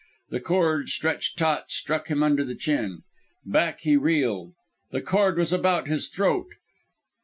The cord, stretched taut, struck him under the chin. Back he reeled. The cord was about his throat!